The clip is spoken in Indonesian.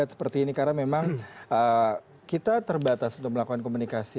seperti ini karena memang kita terbatas untuk melakukan komunikasi